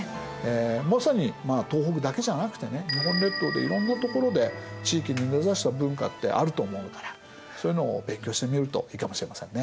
まさに東北だけじゃなくてね日本列島でいろんな所で地域に根ざした文化ってあると思うからそういうのを勉強してみるといいかもしれませんね。